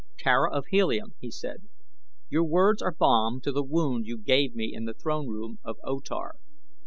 "Tara of Helium," he said, "your words are balm to the wound you gave me in the throne room of O Tar.